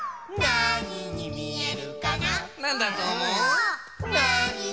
なににみえるかな